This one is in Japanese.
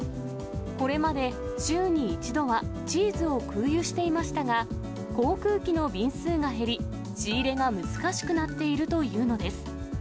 これまで週に１度は、チーズを空輸していましたが、航空機の便数が減り、仕入れが難しくなっているというのです。